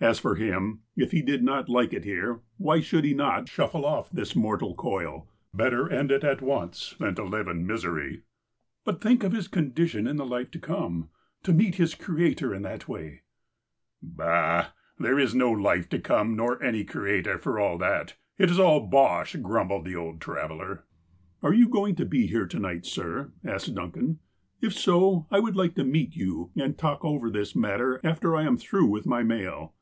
As for him, — if he did not like it here, why should he not shuffle off this mortal coil ? Better end it at once than to live in misery." ''But think of his condition in the life to come. To meet his Creator in that way !''" Bah ! there is no life to come, nor any Creator, for all that. It is all bosh !" grumbled the old traveller. '' Are you goiug to be here to night, sir? " asked Dun can. " If so, I would like to meet you and talk over this matter after I am through with my mail."